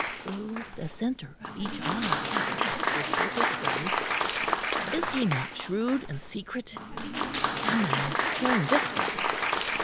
"Through the centre of each eye," whispered his friend. "Is he not shrewd and secret? And now turn this way."